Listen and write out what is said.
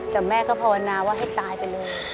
แต่แม่ก็ภาวนาว่าให้ตายไปเลย